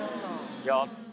やった。